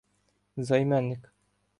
Займенник